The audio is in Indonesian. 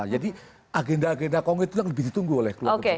jadi agenda agenda kongi itu yang lebih ditunggu oleh keluarga kita